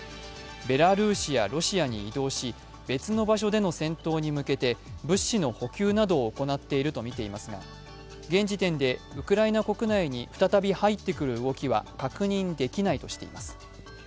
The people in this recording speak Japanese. ベラルーシやロシアに移動し別の場所での戦闘に向けて物資の補給などを行っているとみていますが現時点でウクライナ国内に再び入ってくる動きは確認できないとしています。